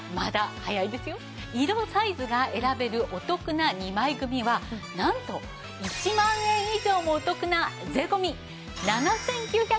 色サイズが選べるお得な２枚組はなんと１万円以上もお得な税込７９８０円です。